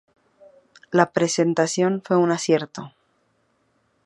La presentación fue un acierto.